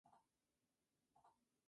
El campeón fue la selección de Japón.